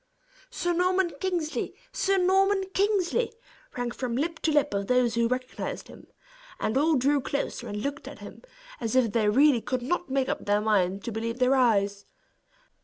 "Sir Norman Kingsley! Sir Norman Kingsley!" rang from lip to lip of those who recognized him; and all drew closer, and looked at him as if they really could not make up their mind to believe their eyes.